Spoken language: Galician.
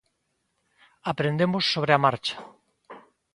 Aprendemos sobre a marcha.